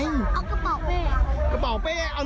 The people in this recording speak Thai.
เอากระเป๋า